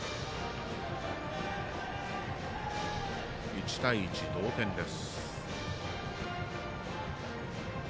１対１、同点です。